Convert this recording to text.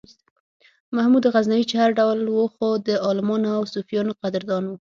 محمود غزنوي چې هر ډول و خو د عالمانو او صوفیانو قدردان و.